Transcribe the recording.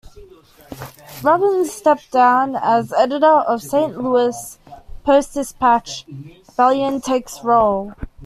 "Robbins steps down as editor of Saint Louis Post-Dispatch, Bailon takes role".